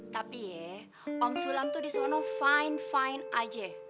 tapi ya om sulam disana fine fine aja